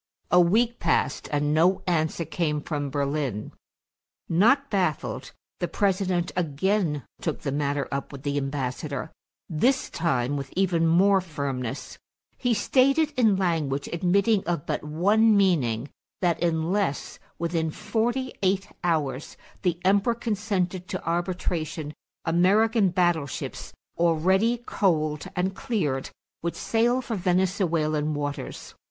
A week passed and no answer came from Berlin. Not baffled, the President again took the matter up with the ambassador, this time with even more firmness; he stated in language admitting of but one meaning that, unless within forty eight hours the Emperor consented to arbitration, American battleships, already coaled and cleared, would sail for Venezuelan waters.